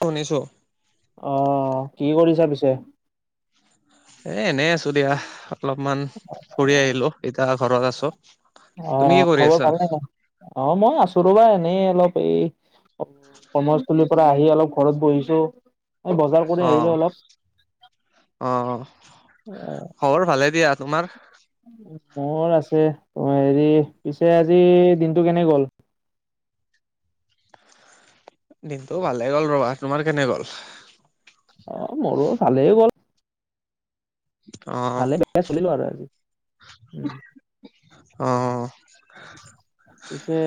শুনিছোঁ। অ', কি কৰিছা পিছে? এ এনেই আছো দিয়া অলপমান ফুৰি আহিলোঁ, এতিয়া ঘৰত আছো। তুমি কি অ', কৰি খবৰ আছা ভাল নে নাই? অ', মই আছো ৰ'বা এনেই অলপ এই অ', কৰ্মস্থলীৰ পৰা আহি অলপ ঘৰত বহিছোঁ। আৰু বজাৰ কৰি অ আহিলো অলপ অ [unintelligible] খবৰ ভালে দিয়া, তোমাৰ? মোৰ আছে, হেৰি পিছে আজি দিনটো কেনে গ'ল? দিনটো ভালে গ'ল ৰ'বা, তোমাৰ কেনে গ'ল? অ', মোৰো ভালেই গ'ল। অ'। সেয়া চলিলো আৰু - হয়। পিছে-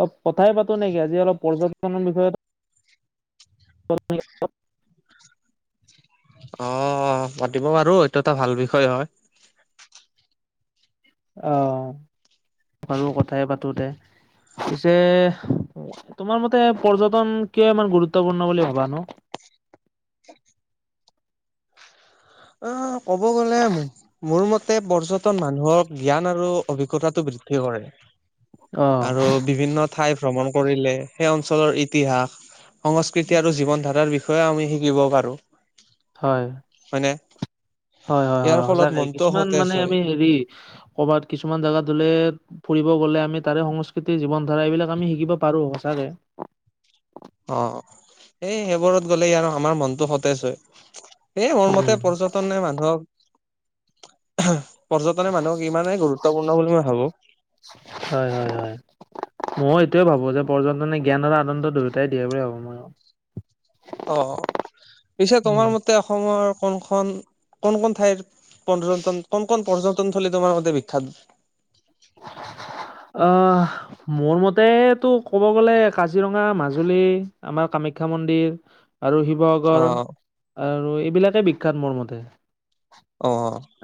অলপ কথাই পাতো নেকি আজি অলপ পৰ্যটনৰ বিষয়ে? অ পাতিব পাৰো এইটো এটা ভাল বিষয় হয়। অ, বাৰু কথাই পাতোদে। পিছে তোমাৰ মতে পৰ্যটন কিয় ইমান গুৰুত্বপূৰ্ণ বুলি ভবানো? অ ক'ব গ'লে মোক- মোৰ মতে পৰ্যটন মানুহক জ্ঞান আৰু অভিজ্ঞতাটো বৃদ্ধি কৰে। অ আৰু বিভিন্ন ঠাই ভ্ৰমণ কৰিলে সেই অঞ্চলৰ ইতিহাস- সংস্কৃতি আৰু জীৱন ধাৰাৰ বিষয়েও আমি শিকিব পাৰোঁ। হয়। মানে - হয় হয় হয় সচাকে কিছুমান সতেজ মানে হয় আমি হেৰি কৰবাত কিছুমান জেগাত গলে- ফুৰিব গলে আমি তাৰে সংস্কৃতি জীৱন ধাৰা এইবিলাক আমি শিকিব পাৰো সঁচাকে। অ, এই সেইবোৰত গ'লে আৰু আমাৰ মনটো সতেজ হয়। এ মোৰ উম মতে পৰ্যটন নে মানুহক- পৰ্যটনে মানুহক ইমানেই গুৰুত্বপূৰ্ণ বুলি মই ভাবো- হয় হয় হয়। ময়ো এইটোৱে ভাবো যে পৰ্যটনে জ্ঞান আৰু আনন্দ দুয়োটাই দিয়ে বুলি ভাবো মই। অ, পিছে তোমাৰ উম। মতে অসমৰ কোনখন কোন কোন ঠাইত - পৰ্যটন কোন কোন পৰ্যটন থলী তোমাৰ মতে বিখ্যাত? অঁহ। মোৰ মতেটো ক'ব গ'লে কাজিৰঙা মাজুলী আমাৰ কামাখ্যা মন্দিৰ- আৰু অ শিৱসাগৰ, আৰু এইবিলাকে বিখ্যাত মোৰ মতে। অ।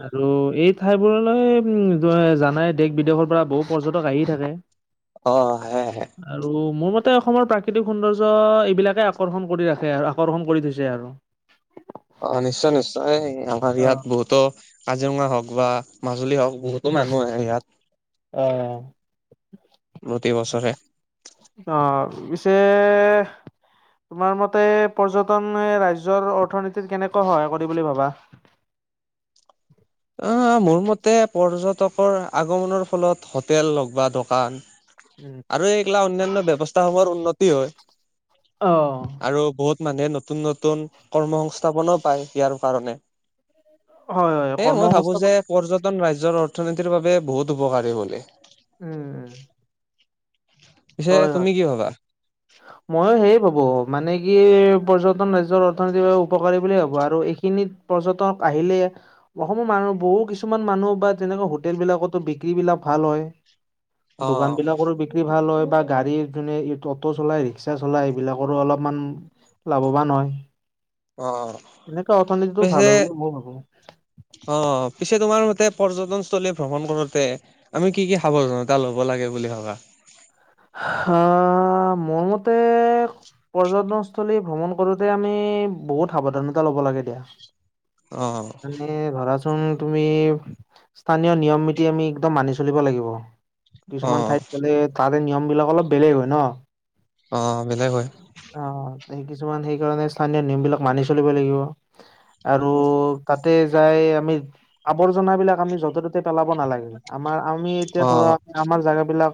আৰু এই ঠাই বোৰলৈ উম জানাই দেশ বিদেশৰ পৰা বহু পৰ্যটক আহি থাকে। অ আহে। আৰু মোৰ মতে অসমৰ প্ৰাকৃতিক সৌন্দৰ্য্য এইবিলাকে আকৰ্ষণ কৰি ৰাখে আৰু আকৰ্ষণ কৰি থৈছে আৰু। অ নিশ্চয় নিশ্চয় আমাৰ ইয়াত বহুতো- কাজিৰঙা হওক বা মাজুলী হওক বহুতো মানুহ আহে ইয়াত। অ। প্ৰতি বছৰে। অ পিছে- তোমাৰ মতে পৰ্যটনে ৰাজ্যৰ অৰ্থনীতিত কেনেকৈ সহায় কৰি বুলি ভাবা? অ মোৰ মতে পৰ্যটকৰ আগমনৰ ফলত হোটেল হওক বা দোকান- উম, আৰু এইগিলা অন্যান্য ব্যবস্থা সমূহৰ উন্নতি হয়। অ'। আৰু বহুত মানুহে নতুন নতুন কৰ্ম সংস্থাপনো পায় ইয়াৰ কাৰণে। হয়, হয়, এ মই ভাবো যে কৰ্মসংস্থাপন পৰ্যটন ৰাজ্যৰ অৰ্থনীতিৰ বাবে বহুত উপকাৰী বুলি। উম। পিছে হয়, হয়। তুমি কি ভবা? ময়ো সেয়ে ভাবো মানে কি পৰ্যটন ৰাজ্যৰ অৰ্থনীতিৰ উপকাৰী বুলিয়েই ভাবো আৰু এইখিনিত- পৰ্যটক আহিলে- অসমৰ মানুহ বহু কিছুমান মানুহ বা তেনেকুৱা হোটেল বিলাকতো বিক্ৰী বিলাক ভাল হয়। দোকান অ', বিলাকৰো বিক্ৰী ভাল হয় বা গাড়ীৰ যোনে ত- চলাই ৰিক্সা চলাই এইবিলাকৰো অলপমান লাভৱান হয়। অ', এনেকা অৰ্থনীতিটো পিছে ভাল বুলি মই ভাবো। অ পিছে তোমাৰ মতে পৰ্যটনস্থলী ভ্ৰমণ কৰোতে। আমি কি কি সাৱধানতা ল'ব লাগে বুলি ভাবা। আহ মোৰ মতে- পৰ্যটনস্থলীৰ ভ্ৰমণ কৰোতে আমি বহুত সাৱধানতা লব লাগে দিয়া। অ এ ধৰাচোন তুমি স্থানীয় নিয়ম নীতি আমি একদম মানি চলিব লাগিব। কিছুমান অ', ঠাইত গলে তাৰে নিয়ম বিলাক অলপ বেলেগ হয় ন'। অ' বেলেগ হয়। অ' কিছুমান সেইকাৰণে স্থানীয় নিয়ম বিলাক মানি চলিব লাগিব। আৰু তাতে যাই আমি আৱৰ্জাবলাক আমি য'তে তে পেলাব নালাগে আমাৰ আমি এতিয়া ধৰা অ', আমাৰ জোগ বিলাক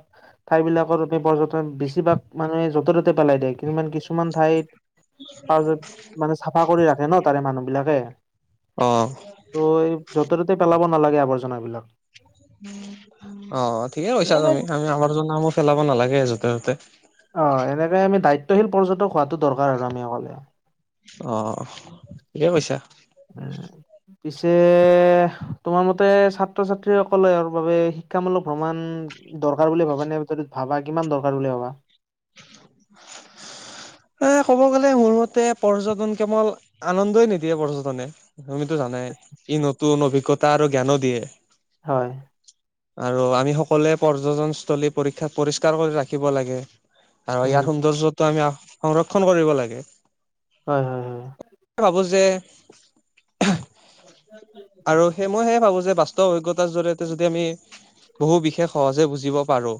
ঠাইবিলাকৰপ পৰ্যট বেছিভাগ মানুহে য'তে ত'তে পেলাই দিয়ে কিন্তুমান কিছুমান ঠাইত তাৰপিছত মানে চাফা কৰি ৰাখে ন' তাৰে মানুহ বিলাকে। অ', ত' এই য'তে ত'তে পেলাব নালাগে আৱৰ্জনাবলাক। অ' ঠিকে কৈছা এনে তুমি আমি আমাৰ জনামো পেলাব নালাগে যোতে ততে। অ' এনেকে আমি দায়িত্বশী প্যটক হোৱাটো দৰকাৰ আৰু আমি অকলে। অ' ঠিকে এই কৈছা। উম পিছে তোমাৰ মতে ছাত্ৰ- ছাত্ৰীসকলে আৰু বাবে শিক্ষামূলক ভ্ৰমণ দৰকাৰ বুলি ভাবা নে ভাবা কিমান দৰকাৰ বুলি ভাবা? [unintelligible] এ ক'ব গ'লে মোৰ মতে পৰ্যটন কেৱল আনন্দই নিদিয়ে পৰ্যটনে। তুমিতো জানাই ই নতুন অভিজ্ঞতা আৰু জ্ঞানো দিয়ে। হয়। আৰু আমি সকলোৱে পৰ্যটনস্থলী পীক্ষা পৰিষ্কাৰ কৰি ৰাখিব লাগে। আৰু উম, ইয়াৰ সৌন্দৰ্যটো আমি সংৰক্ষন কৰিব লাগে। হয়, হয়, হয়। ভাবো যে আৰু সেই মই সেয়ে ভাবো যে বাস্তু অভিজ্ঞতাৰ জৰি়য়তে যদি আমি বহু বিশেষ সহজে বুজিব পাৰো।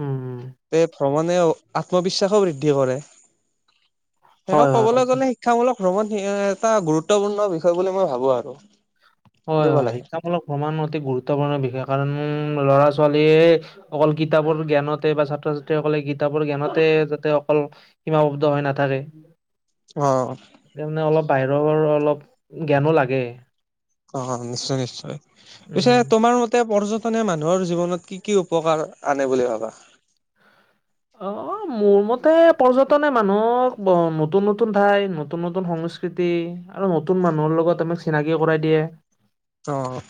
উম', উম, তে ভ্ৰমণে আত্মবিশ্বাসো বৃদ্ধি কৰে হয়, শেষক হয়, কবলৈ ঠিক। গ'লে শিক্ষামূলক ভ্ৰমণ এটা গুৰুত্বপূৰ্ণ বিষয় বুলি মই ভাবো আৰু। হয় কৰিব হয় লাগে শিক্ষামূলক ভ্ৰমণ অতি গুৰুত্বপূৰ্ণ বিষয় কাৰণ ল'ৰা ছোৱালীয়ে অকল কিতাপৰ জ্ঞানতে বা ছাত্ৰ -ছাত্ৰীসকলে কিতাপৰ জ্ঞানতে যাতে অকল সীমাববদ্ধ হয় নাথাকে। অ', ত' মানে অলপ বাহিৰৰ অলপ জ্ঞানো লাগে। অ', নিশ্চয় নিশ্চয় পিছে উম। তোমাৰ মতে এ পৰ্যটনে মানুহৰ জীৱনত কি কি উপকাৰ আনে বুলি ভাবা? অ' মোৰ মতে পৰ্যটনে মানুহক নতুন নতুন ঠাই নতুন নতুন সংস্কৃতি সকৃতি আৰু নতুন মানুহৰ লগত আমাক চিনাকি কৰাই দিয়ে। অ',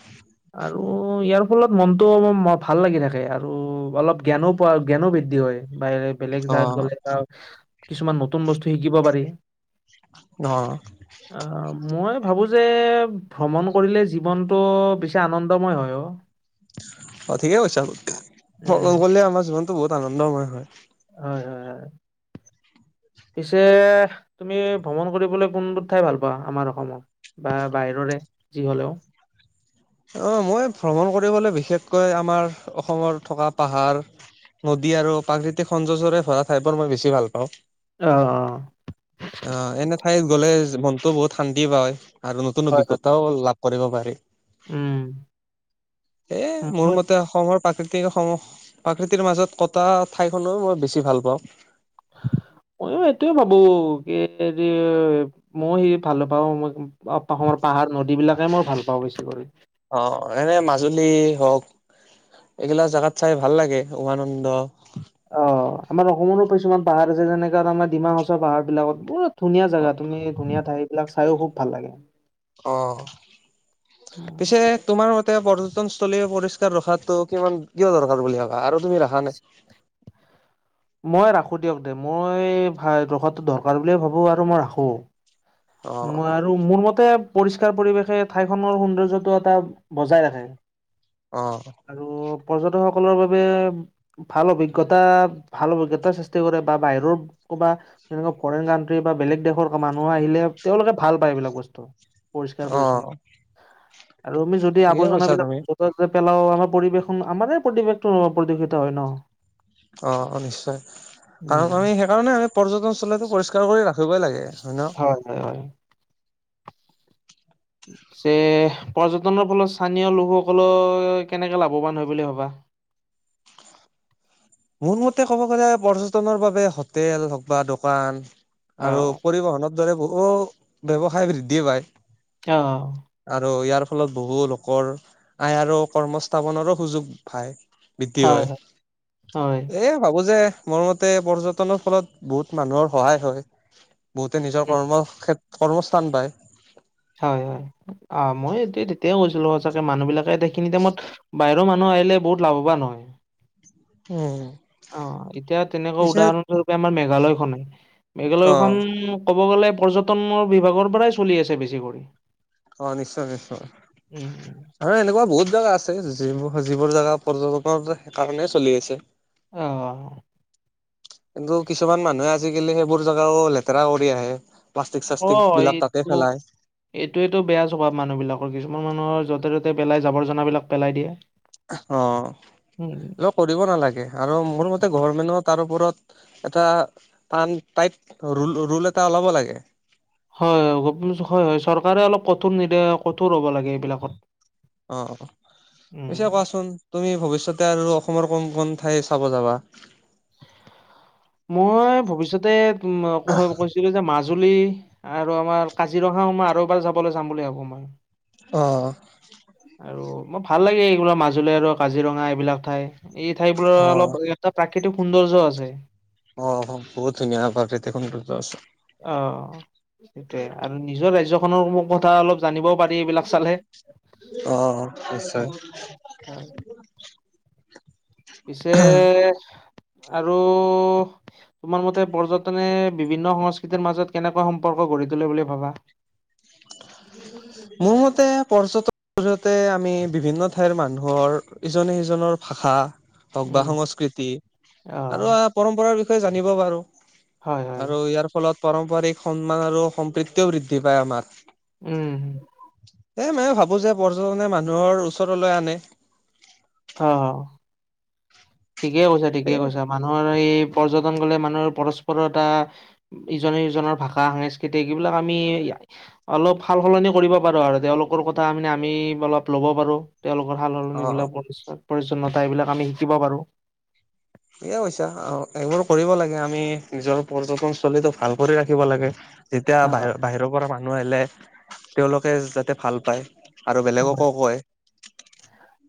আৰু ইয়াৰ ফলত মনটো ভাল লাগি থাকে। আৰু অলপ জ্ঞানো, প জ্ঞানো বৃদ্ধি হয়। বাহিৰে বেলেগ জাগাত অ', গ'লে বা কিছুমান নতুন বস্তু শিকিব পাৰি। অহ আ অ', মই ভাবো যে ভ্ৰমণ কৰিলে জীৱনটো বেছি আনন্দময় হয় অ'। অ' ঠিকেই কৈছে আৰু উম ভ্ৰমন কৰিলে আমাৰ জীৱনটো বহুত আনন্দময় হয়। হয়, হয়, হয়। পিছে তুমি ভ্ৰমণ কৰিবলৈ কোনটো ঠাই ভাল পোৱা আমাৰ অসমৰ? বা বাহিৰৰে যি হ'লেও? অঁ' মই ভ্ৰমণ কৰিবলৈ বিশেষকৈ আমাৰ অসমত থকা পাহাৰ নদী আৰু প্ৰাকৃতিক সৌন্দৰ্য্যৰে ভৰা ঠাইবোৰ মই বেছি ভাল পাওঁ। অ'' অ এনে ঠাইত গলে মনতো বহুত শান্তি পায় আৰু নতুন হয় হয় অভিজ্ঞতাও লাভ কৰিব পাৰি। উম। এ মোৰ মই মতে অসমৰ প্ৰাকৃতিক সম প্ৰাকৃতিৰ মাজত কটা ঠাইখনো মই বেছি ভাল পাওঁ। মইয়ো এইটোয়ে ভাবো কি [inaudible] মই সি ভাল পাওঁ, মই অসমৰ পাহাৰ, নদীবিলাকে মই ভাল পাওঁ বেছি কৰি। অ এনে মাজুলী হওক এইগিলা জাগাত চাই ভাল লাগে উমানন্দ অ' আমাৰ অসমৰো কিছুমান পাহাৰ আছে যেনেকা তোমাৰ ডিমা হাছাও পাহাৰবিলাকত বহুত ধুনীয়া জেগা, তুমি ধুনীয়া ঠাই এইবিলাক চাইও খুব ভাল লাগে। অ, পিছে তোমাৰ মতে পৰ্যটনস্থলী পৰিষ্কাৰ ৰখাটো কিমান কিয় দৰকাৰ বুলি ভাবা আৰু তুমি ৰখা নাই। মই ৰাখো দিয়ক দে, মই ভা ৰখাতো দৰকাৰ বুলিয়ে ভাবো আৰু মই ৰাখো। অ মই আৰু মোৰ মতে পৰিষ্কাৰ পৰিৱেশে ঠাইখনৰ সৌন্দৰ্য্যটো এটা বজাই ৰাখে। অ। আৰু পৰ্যটকসকলৰ বাবে ভাল অভিজ্ঞতা, ভাল অভিজ্ঞতাৰ সৃষ্টি কৰে বা বাহিৰৰ কোনোবা তেনেকুৱা ফৰেইন কানট্ৰি বা বেলেগ দেশৰ মানুহ আহিলে তেওঁলোকে ভাল পায় এইবিলাক বস্তু পৰিষ্কাৰ - অ পৰিচ্ছন্ন। আৰু আমি যদি ঠিকে কৈছা তুমি আৱৰ্জনাবিলাক তই যে পেলাও আমাৰ পৰিৱেশন আমাৰে পৰিবেশটো প্ৰদূষিত হয় ন। অ অ নিশ্চয় কাৰণ উম, আমি সে কাৰণে আমি পৰ্যটনস্থলীটো পৰিষ্কাৰ কৰি ৰাখিবই লাগে হয় ন। হয় হয় হয়। যে পৰ্যটনৰ ফলত স্থানীয় লোকসকলৰ কেনেকে লাভৱান হয় বুলি ভাবা? মোৰমতে ক'ব গ'লে পৰ্যটনৰ বাবে হোটেল হওক বা দোকান আৰু অ', পৰিবহনত দৰে বহু ব্যৱসায় বৃদ্ধি পায়। অ। আৰু ইয়াৰ ফলত বহু লোকৰ আই আৰু কৰ্মস্থাপনৰো সুযোগ পায়। বিতি হয়। হয়। এ ভাবো যে মোৰ মতে পৰ্যটনৰ ফলত বহুত মানুহৰ সহায় হয়। বহুতে নিজৰ কৰ্ম কেত কৰ্মস্থান পায়। হয় হয়, অ মই এই তেতিয়াই কৈছিলো সচাকে মানুহবিলাকে এইখিনি টাইমত বাহিৰৰ মানুহ আহিলে বহুত লাভৱান হয়। উম, অ এতিয়া তেনেকুৱা পিছে উদাহৰণ আমাৰ মেঘালয় খনে, মেঘালয় অ খন ক'ব গ'লে পৰ্যটনৰ বিভাগৰ পৰাই চলি আছে বেছি কৰি। অ' নিশ্চয়, নিশ্চয়। উম হয় এনেকুৱা বহুত জাগা আছে, যিবো-যিবোৰ জেগা পৰ্যটনৰ সেই কাৰণে চলি আছে। অঁ। কিন্তু কিছুমান মানুহে আজিকালি সেইবোৰ জেগাও লেতেৰা কৰি আহে। প্লাষ্টিক, চাষ্টিকবিলাক তাতে পেলায়। এইটোৱেতো বেয়া স্বভাৱ মানুহবিলাকৰ। কিছুমান মানুহৰ য'তে-ত'তে পেলাই জাৱৰ-জনাবিলাক পেলাই দিয়ে। অ' উম এইবিলাক কৰিব নালাগে, আৰু মোৰ মতে গভৰমেন্টত তাৰ ওপৰত এটা টান-টাইট ৰুল ৰুল এটা ওলাব লাগে। হয় [unintelligible] হয় হয়, চৰকাৰে অলপ কঠোৰ নিৰ্দেশ কঠোৰ হ'ব লাগে। এইবিলাকত অ' উম পিছে কোৱাচোন? তুমি ভৱিষ্যতে আৰু অসমৰ কোন কোন ঠাই চাব যাবা? মই ভৱিষ্যতে কৈছিলোঁ যে মাজ জুলী আৰু আমাৰ কাজিৰঙা [unintelligible] আৰু এবাৰ যাবলৈ যাম বুলি ভাবোঁ মই। অ'। আৰু মই ভাল লাগে, এইবোৰ মাজুলী আৰু কাজিৰঙা এইবিলাক ঠাই। এই ঠাই বোৰৰ অ', অলপ তাত প্ৰাকৃতিক সৌন্দৰ্য আছে। অ' বহুত ধুনীয়া প্ৰাকৃতিক সৌন্দৰ্য আছে। অ' সেইটোৱে, আৰু নিজৰ ৰাজ্যখনৰ [unintelligible] কথা অলপ জানিবও পাৰি এইবিলাক চালে। অ' নিশ্চয়। হয়, হয়, পিছে আৰু তোমাৰ মতে পৰ্যটনে বিভিন্ন সংস্কৃতিৰ মাজত কেনেকুৱা সম্পৰ্ক গঢ়ি তোলে বুলি ভাবা? [unintelligible] মোৰ মতে পৰ্যট মাজতে আমি বিভিন্ন ঠাইৰ মানুহৰ ইজনে-সিজনৰ ভাষা হওঁক, বা উম, সংস্কৃতি, আৰু অ' পৰম্পৰাৰ বিষয়ে জানিব পাৰোঁ। হয়, হয়, আৰু ইয়াৰ ফলত পাৰম্পৰিক সন্মান আৰু সম্প্ৰীতিও বৃদ্ধি পায় আমাৰ। উম। এ, মানে ভাবোঁ যে পৰ্যটনে মানুহৰ ওচৰলৈ আনে। [unintelligible] ঠিকেই কৈছা, এ ঠিকেইে কৈছা। মানুহৰ এই পৰ্যটন গ'লে মানুহৰ পৰস্পৰতা ইজনে-সিজনৰ ভাষা, সাংস্কৃতিক এইবিলাক আমি অলপ সাল-সলনি কৰিব পাৰোঁ আৰু তেওঁলোকৰ কথা মানে আমি অলপ ল'ব পাৰোঁ। তেওঁলোকৰ অ অ সাল-সলনিবিলাক [unintelligible] পৰিছন্নতা এইবিলাক আমি শিকিব পাৰো। সেয়া হৈছে, আৰু এইবোৰ কৰিব লাগে। আমি নিজৰ পৰ্যটনস্থলীটো ভাল কৰি ৰাখিব লাগে। যেতিয়া বাহি-বাহিৰৰ পৰা মানুহ আহিলে, তেওঁলোকে যাতে ভাল পায়। আৰু বেলেগকো কয়।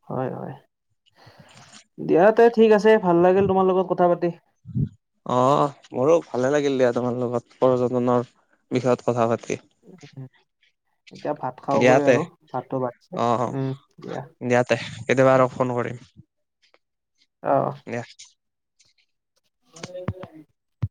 হয় হয়, দিয়া তে ঠিক আছে। ভাল লাগিল তোমাৰ লগত কথা পাতি। অ', মোৰো ভালে লাগিল দিয়া, তোমাৰ লগত পৰ্যটনৰ বিষয়ত কথা পাতি। এতিয়া ভাত দিয়া খাওঁগৈ তে আৰু। ভাতটো বাঢ়িছে, অ অ উম দিয়া। দিয়া তে' কেতিয়াবা আৰু ফোন কৰিম। অঁ। [unintelligible] [unintelligible] [inaudible]